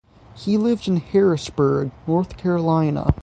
He lived in Harrisburg, North Carolina.